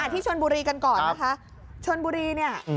ที่ชนบุรีกันก่อนนะคะชนบุรีเนี่ย